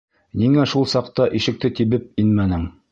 Ниңә шул саҡта ишекте тибеп инмәнең?